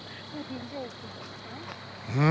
うん？